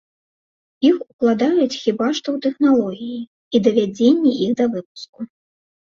Іх укладаюць хіба што ў тэхналогіі і давядзенне іх да выпуску.